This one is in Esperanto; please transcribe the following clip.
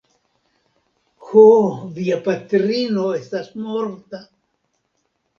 Ho, via patrino estas morta.